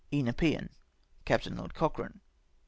Nepean. " Captain Lord Cochrane."